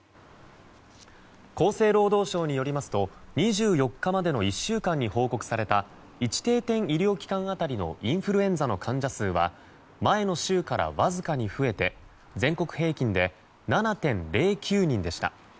厚生労働省によりますと２４日までの１週間に報告された１定点医療機関当たりのインフルエンザの患者数は前の週からわずかに増えて全国平均で７．０９人でした。